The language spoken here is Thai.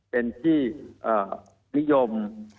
เป็นที่นิยม